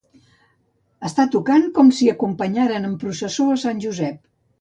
Estar tocant com si acompanyaren en processó a sant Josep.